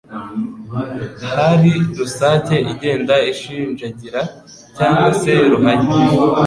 hari rusake igenda ishinjagira cyangwa se ruhaya